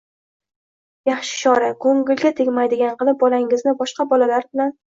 Yaxshi chora – ko‘ngliga tegmaydigan qilib bolangizni boshqa bolalar bilan